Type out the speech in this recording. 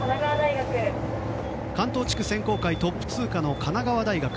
関東地区選考会トップ通過の神奈川大学。